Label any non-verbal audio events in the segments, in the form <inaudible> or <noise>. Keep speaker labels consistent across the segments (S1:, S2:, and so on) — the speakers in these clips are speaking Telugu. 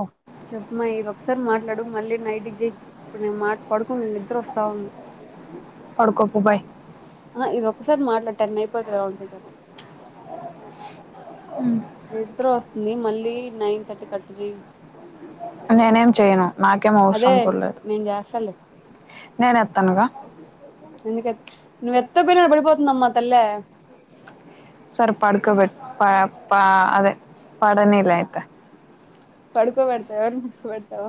S1: ఓ
S2: చెప్ప్మయ్ ఇది ఒక్సారి మాట్లాడు మళ్ళీ నైడిజ్జి ఇప్పుడు నేను మాట్ పడు కున్ నిద్ర వస్సా ఉన్,
S1: పడుకోపో బాయ్
S2: ఆ ఇది ఒక్కసారి మాట్లా టెన్ అయిపోతే రౌంన్ పిగర్
S1: ఉ
S2: నిద్ర వస్తుంది మళ్ళీ నైన్ థర్టీ కట్టజ
S1: నేనేం చెయ్యను నాకేం
S2: అదే
S1: అవస్రం కుల్లేదు,
S2: నేను చేస్తాలే
S1: నేను ఎత్తనుగా
S2: నువ్వ్ ఎత్త పొయ్ న పడిపోతుందమ్మా తల్లా
S1: సరె పడుకోబెట్ పా పా అదే పడనిలే ఐతే
S2: పడుకో పెడ్త ఎవర్ని వెడ్తవ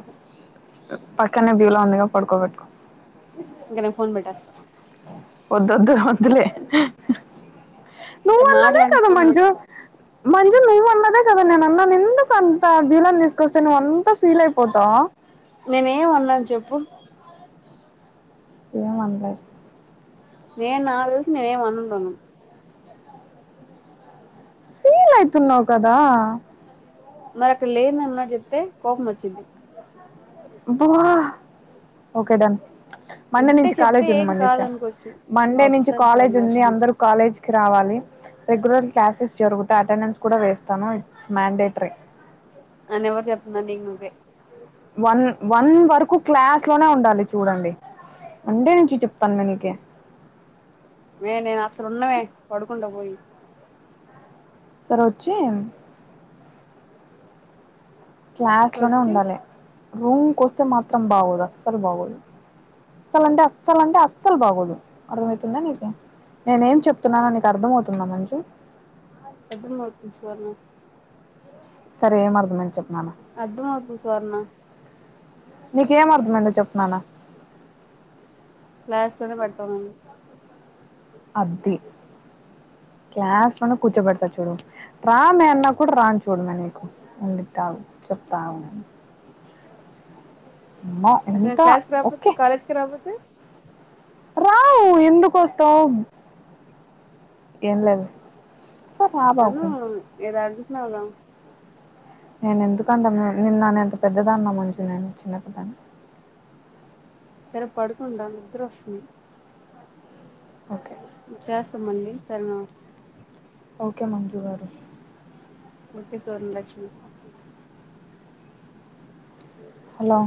S1: పక్కనే బిలో ఉందిగా పడుకోబెట్ట్కొ
S2: ఇంగ నే ఫోన్ పెట్టేస్స
S1: ఒద్దుద్దు వద్దులే ను
S2: ఇట్ట
S1: అన్నద
S2: మాట్లాడి
S1: కద
S2: ఫోన్
S1: మజు
S2: పెట్టు
S1: మజు ను అన్నాద కదా నేన అన్న ఎందుకు అంత బీలోని తీసుకొస్తే నువ్వు అంతా ఫీల్ అయిపోతావు
S2: నేనే ఏం అన్నాను చెప్పు
S1: ఏం అనలే
S2: నేను నాలుగు దసం నేనేం అనలే
S1: ఫీలవుతున్నావ్ కదా
S2: మరి లేద అన్నాడు చెప్తే కోపం వచ్చింది
S1: బహ <unintelligible> ఓకే డన్ మండే
S2: ఉంటే
S1: నుంచి
S2: చెప్తే
S1: కాలేజ్ ఉంది
S2: ఏం
S1: మల్లేషా
S2: కాదనుకోవచ్చు
S1: మండే నుంచి
S2: వస్తది
S1: కాలేజ్ ఉంది
S2: సువర్ణలక్ష్మి
S1: అందరు కాలేజ్ రావాలి రెగ్యులర్ క్లాసెస్ జరుతే అటెండెన్స్ కూడా వేస్తాను ఇట్ మండేటరీ
S2: అని ఎవరు చెప్తుందండి నీ నువ్వే
S1: వన్ వన్ వరకు క్లాస్ లోనే ఉండాలి చూడండి మండే నుంచి చెప్తాను మీకే
S2: మే నేను అసలున్నవే పడుకుడా పోయి
S1: సరే వచ్చి క్లాస్ లోనే
S2: వచ్చి
S1: ఉండాలి రూమ్కి వస్తే మాత్రం బాగోదు అస్సలు బాగోదు అస్సలు అంటే అస్సలు అంటే అస్సలు బాగోదు అర్థమవుతుందా నీకు నేనే ఏం చెప్తున్నాను నీకు అర్థం అవుతుందా మా నీకు
S2: పెద్దలు ర్పంచివళ
S1: సరే ఏం అర్థమైందో చెప్ప
S2: అర్థమవుతుంది స్వర్ణ
S1: నీకు ఏ అర్దం అయిందో చెప్పనానా
S2: క్లాస్ లోనే పడతామ
S1: ఆది క్యాస్ట్ మన కూర్చోబెడతా చూడు రామే అన్నా కూడా రాను చూడమ నీకు ఉంటావు చెప్తావు అమ్మో
S2: అసలు
S1: ఎంత
S2: క్లాస్కి రాపోతే
S1: ఓకే
S2: కాలేజ్ కి రాకపోతే
S1: రావు ఎందుకోస్తం ఏం లేదు సార్ రా
S2: అను
S1: బాబు
S2: ఏదు నాగావ్
S1: నేను ఎందుకుంటను నిన్నన్న ఎంత పెద్దద అన్న మంచు నేను చిన్నపిల్లల్ని
S2: సరే పడుకుండా నిద్ర వస్తుంది
S1: ఓకే
S2: చేస్తామండి సరేనా
S1: ఓకే మంజు గారు
S2: ఒకే సోరన్ లక్ష్మి
S1: హలో